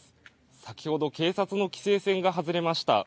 先ほど警察の規制線が外れました。